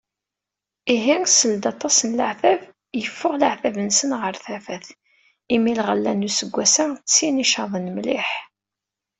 Ihi seld aṭaṣ n leεtab, yeffeɣ εeggu-nsen ɣer tafat, imi lɣella n useggas-a d tin icaḍen mliḥ.